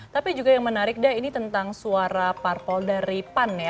tapi juga yang menarik dah ini tentang suara parpol dari pan ya